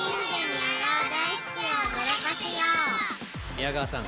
宮川さん！